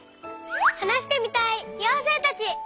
はなしてみたいようせいたち！